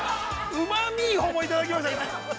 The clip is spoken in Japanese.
◆うまみほもいただきました。